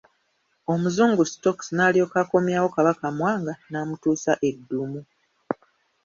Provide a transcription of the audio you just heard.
Omuzungu Stokes n'alyoka akomyawo Kabaka Mwanga n'amutuusa e Ddumu.